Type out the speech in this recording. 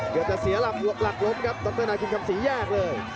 แต่เสียหลับหลบหลักล้มครับตัวเตอร์นายคุณคำศรีแยกเลย